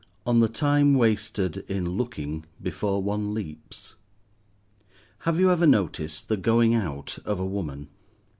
ON THE TIME WASTED IN LOOKING BEFORE ONE LEAPS HAVE you ever noticed the going out of a woman?